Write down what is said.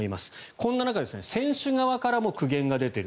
こんな中、選手側からも苦言が出ている。